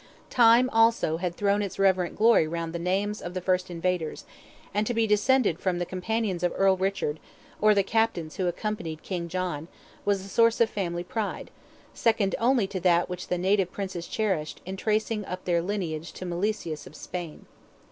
Time, also, had thrown its reverent glory round the names of the first invaders, and to be descended from the companions of Earl Richard, or the captains who accompanied King John, was a source of family pride, second only to that which the native princes cherished, in tracing up their lineage to Milesius of Spain.